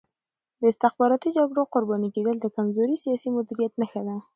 د استخباراتي جګړو قرباني کېدل د کمزوري سیاسي مدیریت نښه ده.